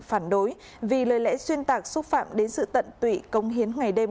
phản đối vì lời lẽ xuyên tạc xúc phạm đến sự tận tụy công hiến ngày đêm